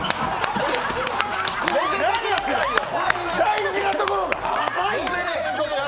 大事なところが！